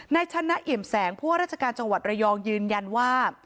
ในชั้นหน้าอิ่มแสงพวกราชการจังหวัดระยองยืนยันว่า